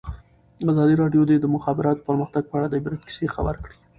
ازادي راډیو د د مخابراتو پرمختګ په اړه د عبرت کیسې خبر کړي.